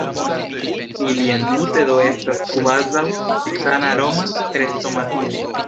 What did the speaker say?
Ili entute do estas kvazaŭ «Kristana Roma Krestomatio».